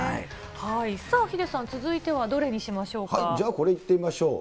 さあ、ヒデさん、続いてはどじゃあ、これいってみましょう。